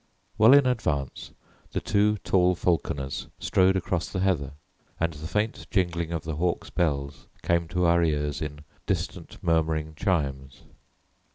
Well in advance, the two tall falconers strode across the heather, and the faint jingling of the hawks' bells came to our ears in distant murmuring chimes.